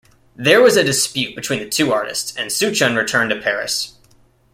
There was a dispute between the two artists, and Souchon returned to Paris.